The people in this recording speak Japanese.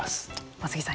松木さん